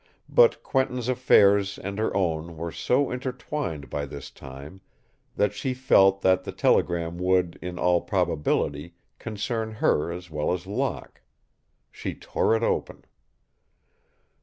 But Quentin's affairs and her own were so intertwined by this time that she felt that the telegram would, in all probability, concern her as well as Locke. She tore it open.